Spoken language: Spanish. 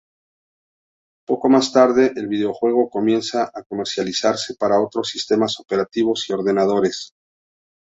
Poco más tarde, el videojuego comienza a comercializarse para otros sistemas operativos y ordenadores.